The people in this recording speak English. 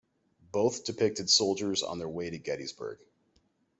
Both depicted soldiers on their way to Gettysburg.